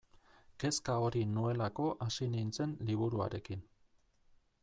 Kezka hori nuelako hasi nintzen liburuarekin.